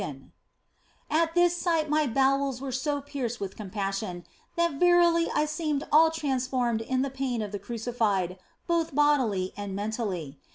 2io THE BLESSED ANGELA At this sight my bowels were so pierced with com passion that verily I seemed all transformed in the pain of the Crucified, both bodily and mentally.